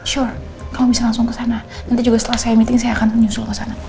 shor kalau bisa langsung ke sana nanti juga setelah saya meeting saya akan menyusul ke sana